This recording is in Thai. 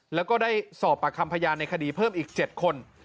แล้วก็ได้สอบปากคำพยานในคดีเพิ่มอีก๗คน